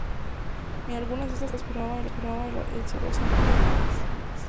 En algunas de estas telenovelas firmaba con el seudónimo de 'Rosa María Hernández'.